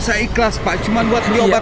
saya ikhlas pak cuma buat obat bapak aja